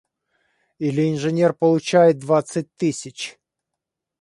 Или инженер получает двадцать тысяч.